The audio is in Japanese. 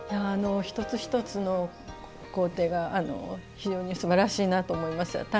一つ一つの工程が非常にすばらしいなと思いました。